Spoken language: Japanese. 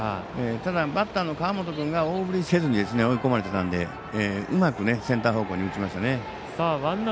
ただ、バッターの川元君が大振りせずに追い込まれてたのでうまくセンター方向に打ちましたね。